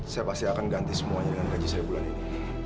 saya pasti akan ganti semuanya dengan gaji saya bulan ini